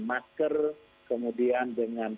masker kemudian dengan